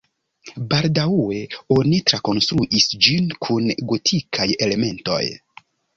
Baldaŭe oni trakonstruis ĝin kun gotikaj elementoj.